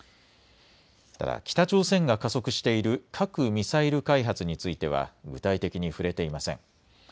ただ北朝鮮が加速している核・ミサイル開発については具体的に触れていません。